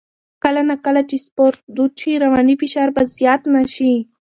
کله نا کله چې سپورت دود شي، رواني فشار به زیات نه شي.